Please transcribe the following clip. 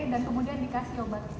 dan kemudian dikasih obat